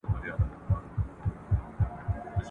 او ملي سرود ..